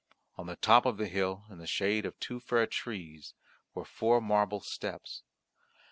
On the top of the hill in the shade of two fair trees were four marble steps.